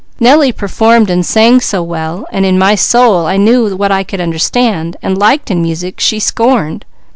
Nellie performed and sang so well, and in my soul I knew what I could understand and liked in music she scorned.